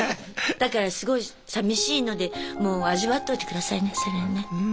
だからすごいさみしいのでもう味わっといてくださいねそれね。